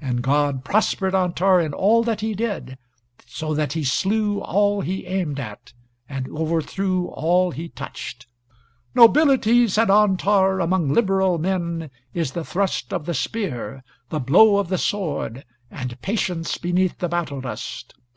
And God prospered Antar in all that he did, so that he slew all he aimed at, and overthrew all he touched. "Nobility," said Antar, "among liberal men, is the thrust of the spear, the blow of the sword, and patience beneath the battle dust.